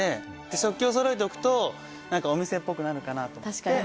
食器をそろえておくとお店っぽくなるかなと思って。